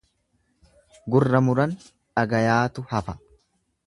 Gurra muran dhagayaatu hafa.